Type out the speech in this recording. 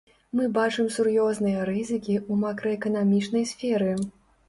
Мы бачым сур'ёзныя рызыкі ў макраэканамічнай сферы.